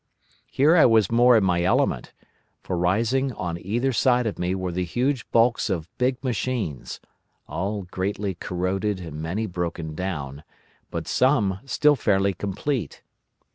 Here I was more in my element, for rising on either side of me were the huge bulks of big machines, all greatly corroded and many broken down, but some still fairly complete.